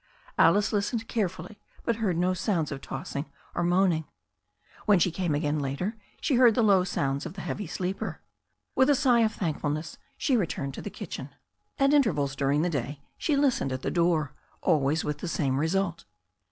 Alice listened carefully, but heard no sounds of tossing or moan ing. When she came again later she heard the low sounds of the heavy sleeper. With a sigh of thankfulness she re turned to the kitchen. At intervals during the day she listened at the door, al 204 THE STORY OF A NEW ZEALAND RIVER 205 ways with the same result.